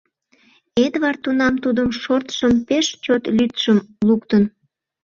Эдвард тунам тудым шортшым, пеш чот лӱдшым луктын.